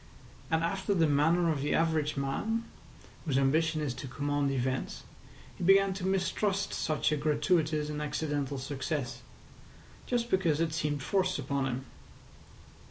And after the manner of the average man, whose ambition is to command events, he began to mistrust such a gratuitous and accidental success—just because it seemed forced upon him.